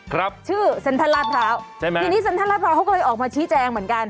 ครับชื่อเซ็นทรัลลาดพร้าวใช่ไหมทีนี้เซ็นทรัลลาดพร้าวเขาก็เลยออกมาชี้แจงเหมือนกัน